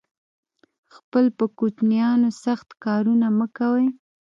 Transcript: خپل په کوچینیانو سخت کارونه مه کوی